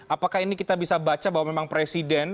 apakah ini kita bisa baca bahwa memang presiden